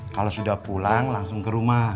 kalau sudah pulang langsung ke rumah